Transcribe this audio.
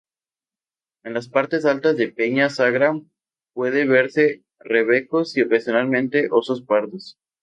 En las partes altas de Peña Sagra pueden verse rebecos y, ocasionalmente, osos pardos.